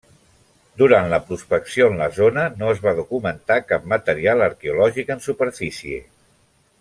Durant la prospecció en la zona no es va documentar cap material arqueològic en superfície.